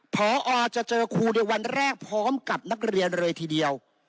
พอจะเจอครูในวันแรกพร้อมกับนักเรียนเลยทีเดียว